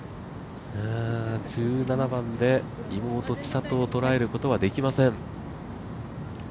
１７番で妹・千怜を捉えることはできません。